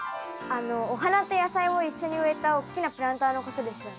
あのお花と野菜を一緒に植えた大きなプランターのことですよね。